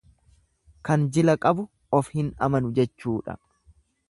Kan jila qabu of hin amanu jechuudha.